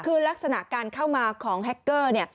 คือลักษณะการเข้ามาของแฮคเกอร์เนี่ย